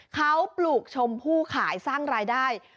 เขาปลูกชมพู่ขายสร้างรายได้